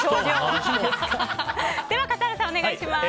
では、笠原さんお願いします。